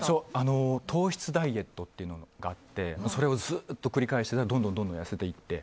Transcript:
糖質ダイエットがあってそれをずっと繰り返していたらどんどん痩せていって。